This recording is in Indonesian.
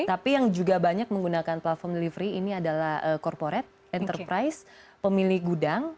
tapi yang juga banyak menggunakan platform delivery ini adalah corporate enterprise pemilih gudang